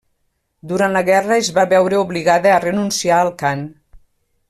Durant la guerra es va veure obligada a renunciar al cant.